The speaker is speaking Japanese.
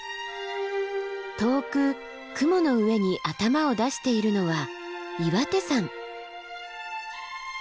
遠く雲の上に頭を出しているのは岩手山。